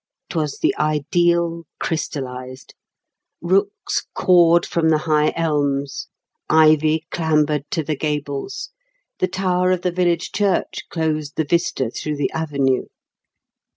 'Twas the ideal crystallised. Rooks cawed from the high elms; ivy clambered to the gables; the tower of the village church closed the vista through the avenue.